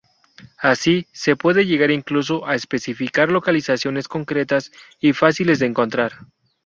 Así, se puede llegar incluso a especificar localizaciones concretas y fáciles de encontrar.